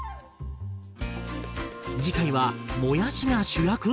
次回はもやしが主役？